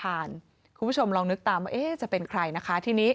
คุณผู้ชมลองนึกตามว่าเอ๊ะจะเป็นใครนะคะทีนี้